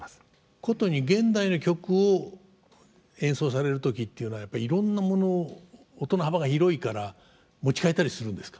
殊に現代の曲を演奏される時っていうのはやっぱりいろんなものを音の幅が広いから持ち替えたりするんですか？